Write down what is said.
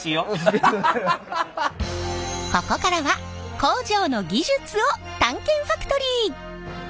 ここからは工場の技術を探検ファクトリー！